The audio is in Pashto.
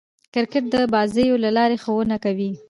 کرکټ د بازيو له لاري ښوونه کوي.